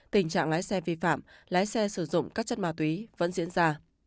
tình trạng lái xe vi phạm lái xe sử dụng các chất ma túy vẫn diễn ra